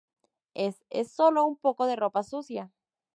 es... es solo un poco de ropa sucia.